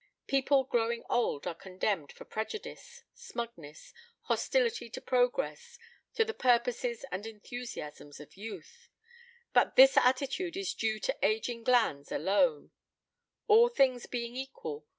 People growing old are condemned for prejudice, smugness, hostility to progress, to the purposes and enthusiasms of youth; but this attitude is due to aging glands alone, all things being equal.